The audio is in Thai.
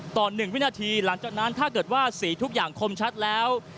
๑วินาทีหลังจากนั้นถ้าเกิดว่าสีทุกอย่างคมชัดแล้ว